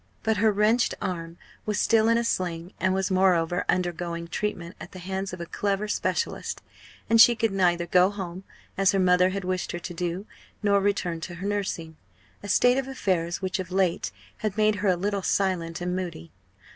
But her wrenched arm was still in a sling, and was, moreover, under going treatment at the hands of a clever specialist; and she could neither go home, as her mother had wished her to do, nor return to her nursing a state of affairs which of late had made her a little silent and moody.